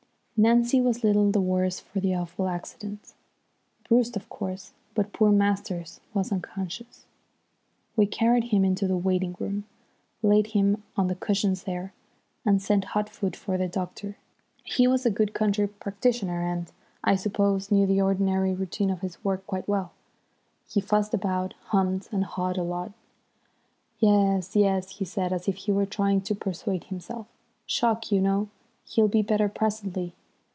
Nancy was little the worse for the awful accident, bruised, of course, but poor Masters was unconscious. We carried him into the waiting room, laid him on the cushions there, and sent hot foot for the doctor. He was a good country practitioner, and, I suppose, knew the ordinary routine of his work quite well. He fussed about, hummed and hawed a lot. "Yes, yes," he said, as if he were trying to persuade himself. "Shock, you know. He'll be better presently.